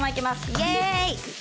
イエーイ！